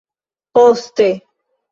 Poste.